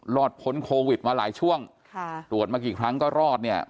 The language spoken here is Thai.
พ้นโควิดมาหลายช่วงค่ะตรวจมากี่ครั้งก็รอดเนี่ย